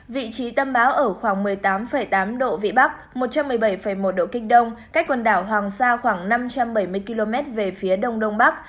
vị trí tâm báo ở khoảng một mươi tám tám độ vn một trăm một mươi bảy một độ k cách quần đảo hoàng sa khoảng năm trăm bảy mươi km về phía đồng đông bắc